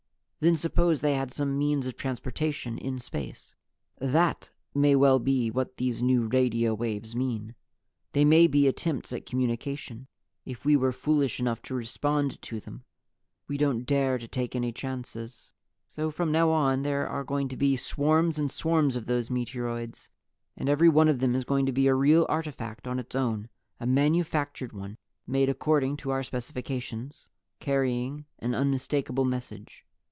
Then suppose they had some means of transportation in space. "That may well be what these new radio waves mean. They may be attempts at communication if we were foolish enough to respond to them. We don't dare to take any chances. "So from now on there are going to be swarms and swarms of those meteoroids and every one of them is going to be a real artifact on its own a manufactured one, made according to Our specifications, carrying an unmistakable message.